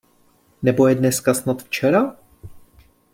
Nebo je dneska snad včera?